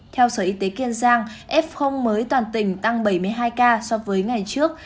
theo sở y tế kiên giang f mới toàn tỉnh tăng bảy mươi hai ca so với ngày trước